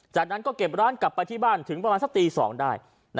จากนั้นก็เก็บร้านกลับไปที่บ้านถึงประมาณสักตี๒ได้